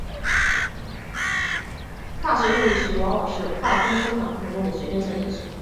化学动力学往往是化工生产过程中的决定性因素。